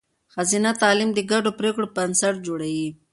ښځینه تعلیم د ګډو پرېکړو بنسټ جوړوي.